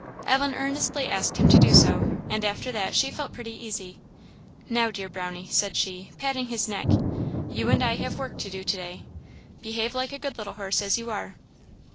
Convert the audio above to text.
Ellen earnestly asked him to do so; and after that she felt pretty easy. "Now, dear Brownie," said she, patting his neck, "you and I have work to do to day; behave like a good little horse as you are."